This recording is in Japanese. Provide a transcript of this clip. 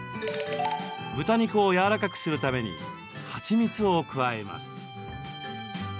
豚肉をやわらかくするために蜂蜜を加えます。